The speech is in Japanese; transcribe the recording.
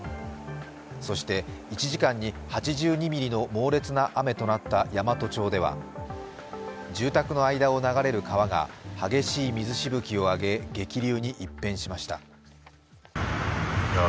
そして、１時間に８２ミリの猛烈な雨となった山都町では、住宅の間を流れる川が、激しい水しぶきを上げ、激流に一変しました。